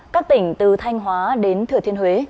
các tỉnh từ thanh hóa đến thừa thiên huế